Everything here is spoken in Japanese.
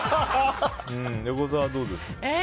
横澤、どうですか。